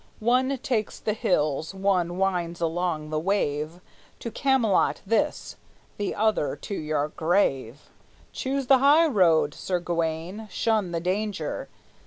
One takes the hills, one winds along the wave; To Camelot this, the other to your grave! Choose the high road, Sir Gawayne; shun the danger!